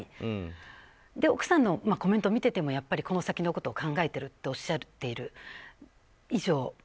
奥さんのコメント見ていてもやっぱり、この先のことを考えるているとおっしゃっている以上